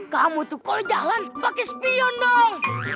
kamu tuh kalo jalan pake spion dong